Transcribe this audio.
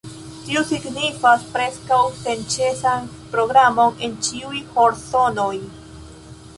Tio signifas preskaŭ senĉesan programon en ĉiuj horzonoj.